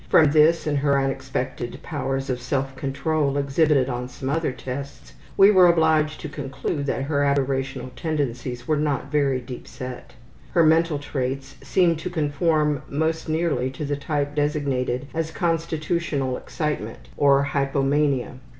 From this and her unexpected powers of self control exhibited on some other tests we were obliged to conclude that her aberrational tendencies were not very deep set. Her mental traits seemed to conform most nearly to the type designated as constitutional excitement, or hypomania.